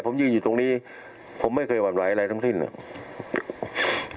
ผมยืนอยู่ตรงนี้ผมไม่เคยหวั่นไหวอะไรทั้งสิ้นนะครับ